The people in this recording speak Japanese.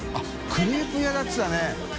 クレープ屋だって言ってたね。